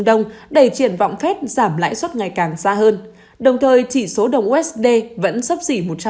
đông đầy triển vọng phép giảm lãi suất ngày càng xa hơn đồng thời chỉ số đồng usd vẫn sấp dỉ một trăm linh sáu